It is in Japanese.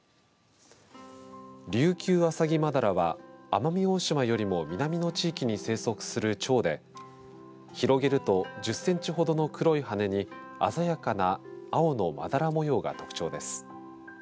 リュウキュウアサギマダラは奄美大島よりも南の地域に生息する蝶で広げると１０センチほどの黒い羽に鮮やかな青のまだら模様が特徴です。